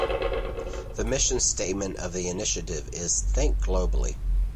The mission statement of the initiative is Think Globally.